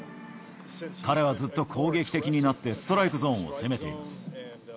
彼はずっと攻撃的になってストライクゾーンを攻めています。